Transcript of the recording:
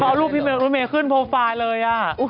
เพราะรูปพี่เมย์ขึ้นโพลไฟล์เลย